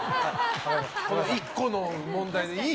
１個の問題で、いい。